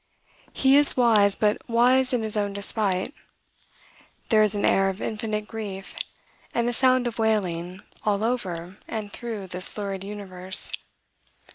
He is wise, but wise in his own despite. There is an air of infinite grief, and the sound of wailing, all over and through this lurid universe.